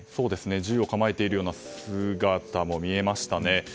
銃を構えているような姿も見えましたね。